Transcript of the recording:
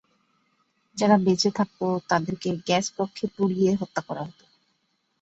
যারা বেঁচে থাকত তাদেরকে গ্যাস কক্ষে পুড়িয়ে হত্যা করা হত।